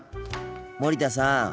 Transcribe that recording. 森田さん。